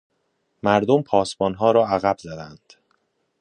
مردم پاسبانها را عقب زدند.